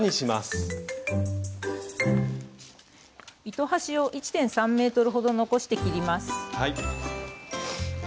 糸端を１．３ｍほど残して切ります。